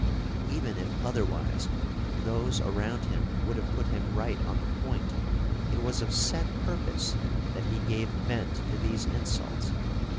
Even if otherwise, those around him would have put him right on the point; it was of set purpose that he gave vent to these insults.